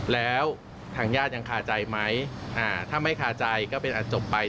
แล้วทางญาติยังคาใจไหมถ้าไม่คาใจก็เป็นอาจจบไป